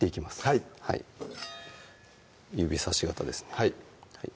はい指さし型ですね